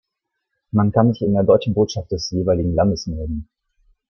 Man kann sich in der deutschen Botschaft des jeweiligen Landes melden.